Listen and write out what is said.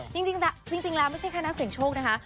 จริงแล้วไม่ใช่แค่นักเสียงโชคนะคะ